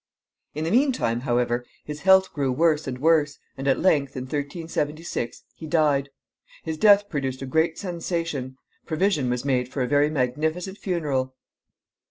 In the mean time, however, his health grew worse and worse, and at length, in 1376, he died. His death produced a great sensation. Provision was made for a very magnificent funeral.